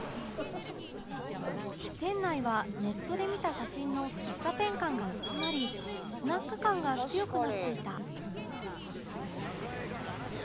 店内はネットで見た写真の喫茶店感が薄まりスナック感が強くなっていた